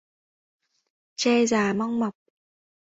Tre già măng mọc.